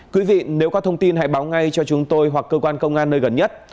quý vị nếu có thông tin hãy báo ngay cho chúng tôi hoặc cơ quan công an nơi gần nhất